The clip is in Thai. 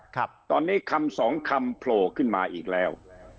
ครับตอนนี้คำสองคำโผล่ขึ้นมาอีกแล้ว